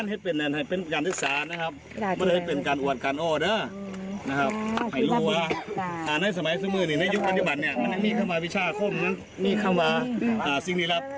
สิ่งดีครับเดี๋ยวให้อยู่